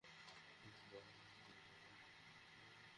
তোমার বড় বড় ফিল্মে ছোট্ট ভূমিকা করা, একজন জুনিয়র আর্টিস্ট।